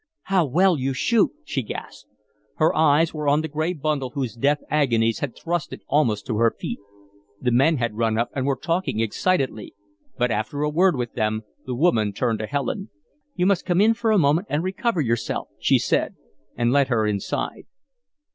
"How well you shoot!" she gasped. Her eyes were on the gray bundle whose death agonies had thrust it almost to her feet. The men had run up and were talking excitedly, but after a word with them the woman turned to Helen. "You must come in for a moment and recover yourself," she said, and led her inside.